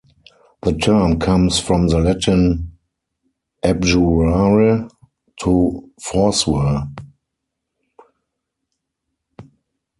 The term comes from the Latin "abjurare", "to forswear".